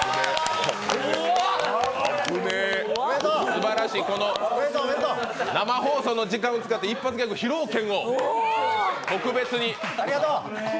すばらしい、この生放送の時間を使って一発ギャグ、披露権を特別に。